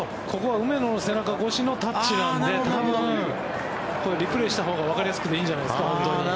梅野の背中越しのタッチなのでリプレーしたほうがわかりやすくていいんじゃないですか。